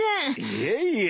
いえいえ。